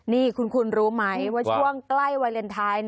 นี่คุณรู้ไหมว่าช่วงใกล้วาเลนไทย